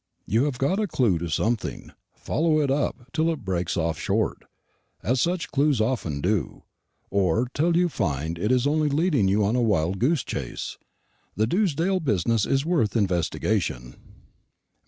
You have got a clue to something. Follow it up till it breaks off short, as such clues often do, or till you find it is only leading you on a wild goose chase. The Dewsdale business is worth investigation.